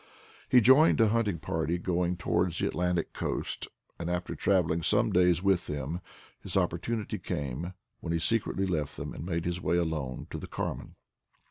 He joined a hunting party going towards the Atlantic coast, and after traveling for some days with them his opportunity came, j when he secretly left thenuand made his way alone to the Carmen.